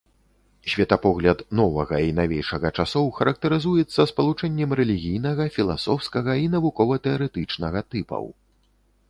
Светапогляд новага і навейшага часоў характарызуецца спалучэннем рэлігійнага, філасофскага і навукова-тэарэтычнага тыпаў.